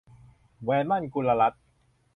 แหวนหมั้น - กุลรัตน์